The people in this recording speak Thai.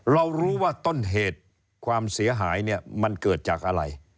เรารู้ว่าต้นเหตุความเสียหายเนี่ยมันเกิดจากอะไร